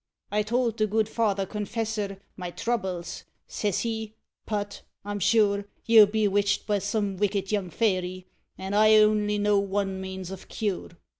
I told the good father confessor My troubles, says he, "Pat! I'm sure You're bewitched by some wicked young fairy, And I only know one means of cure!"